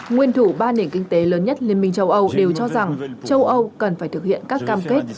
nguyên thủ ba nền kinh tế lớn nhất liên minh châu âu đều cho rằng châu âu cần phải thực hiện các cam kết